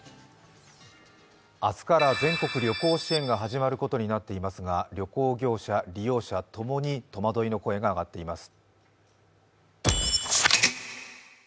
明日から全国旅行支援が始まることになっていますが旅行業者、利用者、ともに戸惑いの声が上がっています。